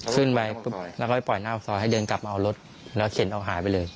ขึ้นไปปุ๊บแล้วก็ไปปล่อยหน้าออกซอยให้เดินกลับมาเอารถแล้วเข็นเอาหายไปเลย